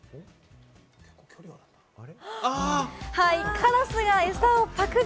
カラスがエサをパクリ！